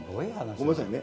ごめんなさいね。